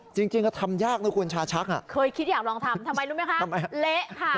จริงจริงก็ทำยากนะคุณชาชักอ่ะเคยคิดอยากลองทำทำไมรู้ไหมคะทำไมเละค่ะ